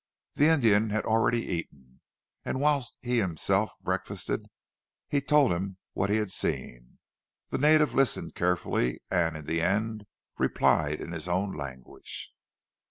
The Indian had already eaten, and whilst he himself breakfasted he told him what he had seen. The native listened carefully, and in the end replied in his own language.